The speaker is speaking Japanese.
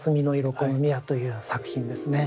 この宮」という作品ですね。